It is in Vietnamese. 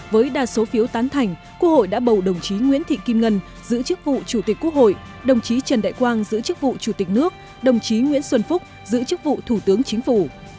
với đa số phiếu tán thành quốc hội đã bầu đồng chí nguyễn thị kim ngân giữ chức vụ chủ tịch quốc hội đồng chí trần đại quang giữ chức vụ chủ tịch nước đồng chí nguyễn xuân phúc giữ chức vụ thủ tướng chính phủ